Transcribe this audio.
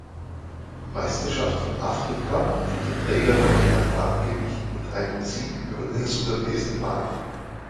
Meisterschaft von Afrika Titelträger im Bantamgewicht mit einem Sieg über den Sudanesen Hag.